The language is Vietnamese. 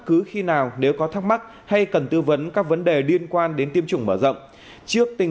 cứ khi nào nếu có thắc mắc hay cần tư vấn các vấn đề liên quan đến tiêm chủng mở rộng trước tình